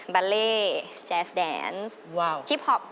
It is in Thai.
บัลเล่แจ๊สแดนซ์คลิปฮอป